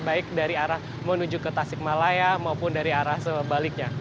baik dari arah menuju ke tasik malaya maupun dari arah sebaliknya